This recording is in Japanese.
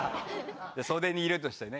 袖にいるとしてね。